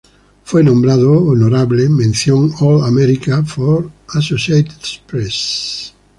Fue nombrado honorable mención All-America por Associated Press.